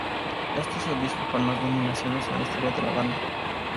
Este es el disco con más nominaciones en la historia de la banda.